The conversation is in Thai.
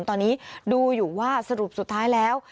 ตอนนี้ดูอยู่ว่าสรุปสุดท้ายแล้ว